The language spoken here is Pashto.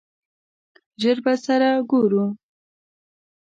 ژر به سره ګورو!